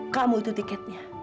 kamu itu tiketnya